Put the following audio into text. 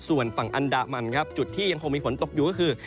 ส่วนฝั่งอันดามันครับจุดที่ยังคงมีฝนตกอยู่ก็คือ